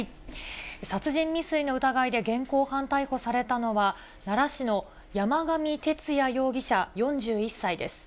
殺人未遂の疑いで現行犯逮捕されたのは、奈良市の山上徹也容疑者４１歳です。